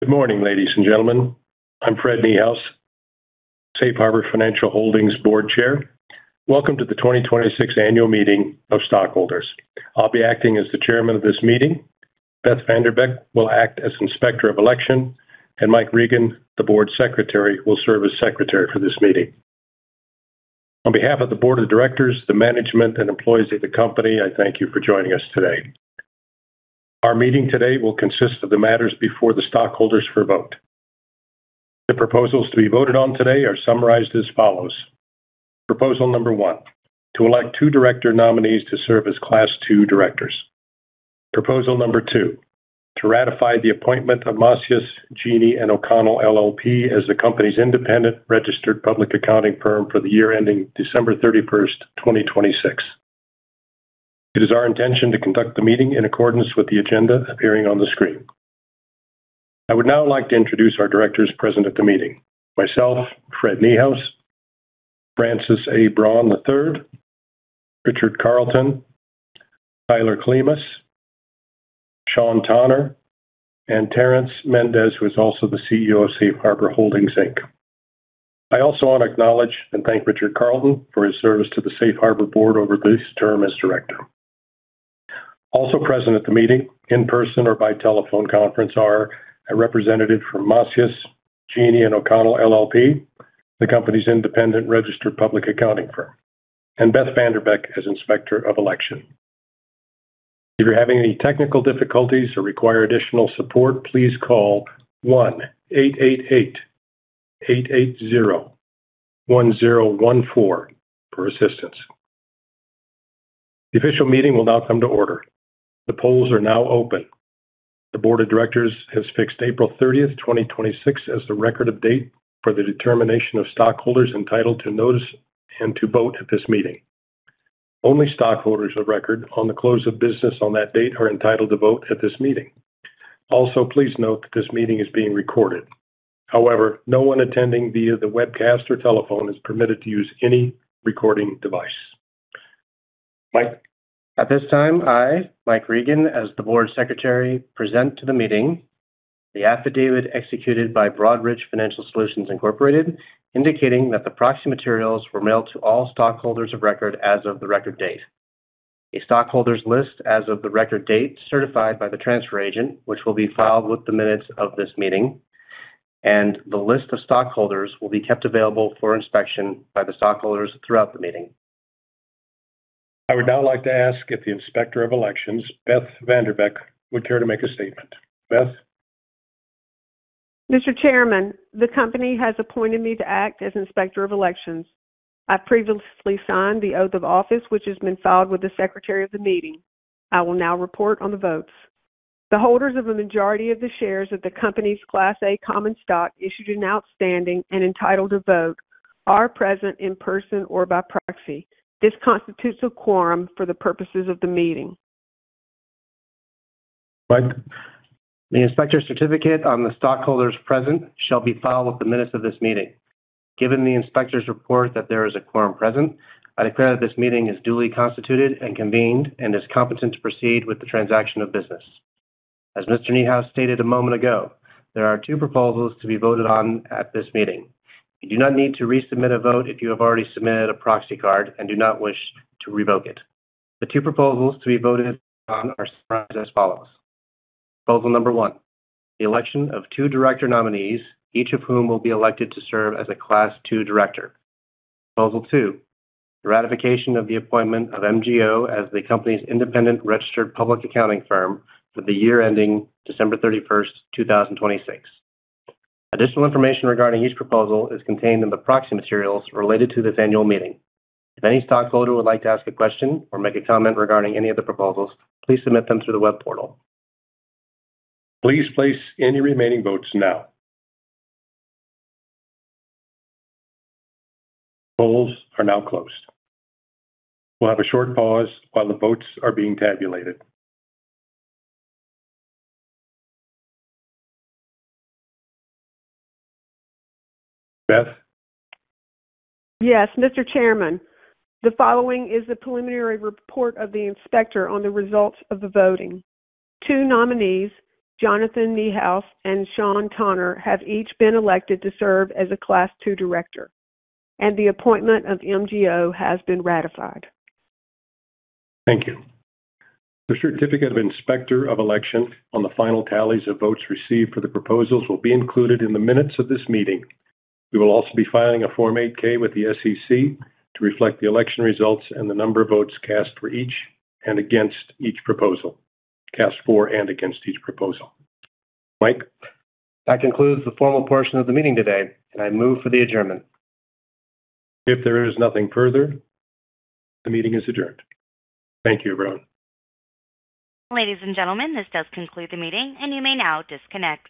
Good morning, ladies and gentlemen. I'm Fred Niehaus, Safe Harbor Financial Holdings Board Chair. Welcome to the 2026 annual meeting of stockholders. I'll be acting as the chairman of this meeting. Beth VanDerbeck will act as Inspector of Election, and Mike Regan, the Board Secretary, will serve as secretary for this meeting. On behalf of the board of directors, the management, and employees of the company, I thank you for joining us today. Our meeting today will consist of the matters before the stockholders for a vote. The proposals to be voted on today are summarized as follows. Proposal number one, to elect two director nominees to serve as Class 2 directors. Proposal number two, to ratify the appointment of Macias Gini & O'Connell LLP as the company's independent registered public accounting firm for the year ending December 31st, 2026. It is our intention to conduct the meeting in accordance with the agenda appearing on the screen. I would now like to introduce our directors present at the meeting. Myself, Fred Niehaus, Francis A. Braun III, Richard Carleton, Tyler Klimas, Sean Tonner, and Terrance Mendez, who is also the CEO of Safe Harbor Holdings, Inc. I also want to acknowledge and thank Richard Carleton for his service to the Safe Harbor Board over his term as director. Also present at the meeting in person or by telephone conference are a representative from Macias Gini & O'Connell LLP, the company's independent registered public accounting firm, and Beth VanDerbeck as Inspector of Election. If you're having any technical difficulties or require additional support, please call 1-888-880-1014 for assistance. The official meeting will now come to order. The polls are now open. The board of directors has fixed April 30th, 2026, as the record of date for the determination of stockholders entitled to notice and to vote at this meeting. Only stockholders of record on the close of business on that date are entitled to vote at this meeting. Also, please note that this meeting is being recorded. However, no one attending via the webcast or telephone is permitted to use any recording device. Mike? At this time, I, Mike Regan, as the board secretary, present to the meeting the affidavit executed by Broadridge Financial Solutions, Inc., indicating that the proxy materials were mailed to all stockholders of record as of the record date. A stockholders' list as of the record date certified by the transfer agent, which will be filed with the minutes of this meeting, and the list of stockholders will be kept available for inspection by the stockholders throughout the meeting. I would now like to ask if the Inspector of Elections, Beth VanDerbeck, would care to make a statement. Beth? Mr. Chairman, the company has appointed me to act as Inspector of Elections. I previously signed the oath of office, which has been filed with the secretary of the meeting. I will now report on the votes. The holders of the majority of the shares of the company's Class A common stock issued and outstanding and entitled to vote are present in person or by proxy. This constitutes a quorum for the purposes of the meeting. Mike? The inspector's certificate on the stockholders present shall be filed with the minutes of this meeting. Given the inspector's report that there is a quorum present, I declare that this meeting is duly constituted and convened and is competent to proceed with the transaction of business. As Mr. Niehaus stated a moment ago, there are two proposals to be voted on at this meeting. You do not need to resubmit a vote if you have already submitted a proxy card and do not wish to revoke it. The two proposals to be voted on are summarized as follows. Proposal number one, the election of two director nominees, each of whom will be elected to serve as a Class 2 director. Proposal two, the ratification of the appointment of MGO as the company's independent registered public accounting firm for the year ending December 31st, 2026. Additional information regarding each proposal is contained in the proxy materials related to this annual meeting. If any stockholder would like to ask a question or make a comment regarding any of the proposals, please submit them through the web portal. Please place any remaining votes now. Polls are now closed. We'll have a short pause while the votes are being tabulated. Beth? Yes, Mr. Chairman. The following is the preliminary report of the inspector on the results of the voting. Two nominees, Jonathan Niehaus and Sean Tonner, have each been elected to serve as a Class 2 director, and the appointment of MGO has been ratified. Thank you. The certificate of Inspector of Election on the final tallies of votes received for the proposals will be included in the minutes of this meeting. We will also be filing a Form 8-K with the SEC to reflect the election results and the number of votes cast for each and against each proposal. Cast for and against each proposal. Mike? That concludes the formal portion of the meeting today, and I move for the adjournment. If there is nothing further, the meeting is adjourned. Thank you, everyone. Ladies and gentlemen, this does conclude the meeting and you may now disconnect.